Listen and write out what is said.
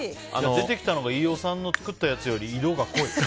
出てきたのが飯尾さんの作ったやつより色が濃い。